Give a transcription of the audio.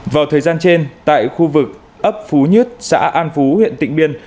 vào thời gian trên tại khu vực ấp phú nhất xã an phú huyện tịnh biên